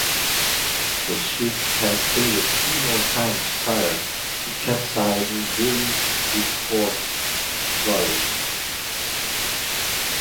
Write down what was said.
The ship had sailed three more times prior to capsizing during its fourth voyage.